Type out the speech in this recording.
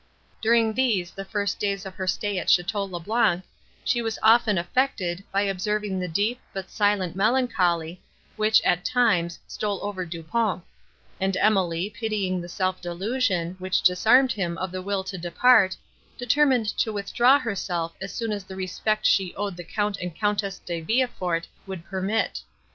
During these the first days of her stay at Château le Blanc, she was often affected, by observing the deep, but silent melancholy, which, at times, stole over Du Pont; and Emily, pitying the self delusion, which disarmed him of the will to depart, determined to withdraw herself as soon as the respect she owed the Count and Countess De Villefort would permit.